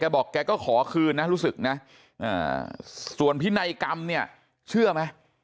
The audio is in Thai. บอกแกก็ขอคืนนะรู้สึกนะส่วนพินัยกรรมเนี่ยเชื่อไหม